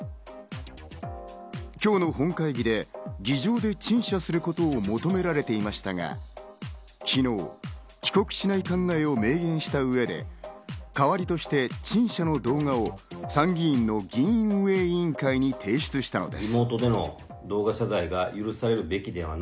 今日の本会議で、議場で陳謝することを求められていましたが、昨日、帰国しない考えを明言した上で、代わりとして陳謝の動画を参議院の議員運営委員会に提出したのです。